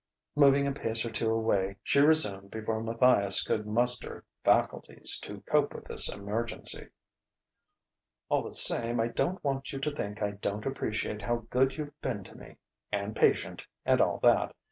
Moving a pace or two away, she resumed before Matthias could muster faculties to cope with this emergency: "All the same, I don't want you to think I don't appreciate how good you've been to me and patient, and all that.